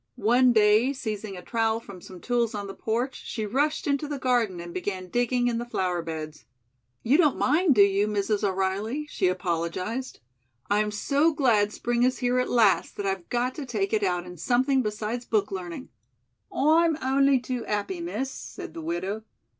One day, seizing a trowel from some tools on the porch, she rushed into the garden and began digging in the flower beds. "You don't mind, do you, Mrs. O'Reilly?" she apologized. "I'm so glad spring is here at last that I've got to take it out in something besides book learning." "I'm only too happy, Miss," said the widow.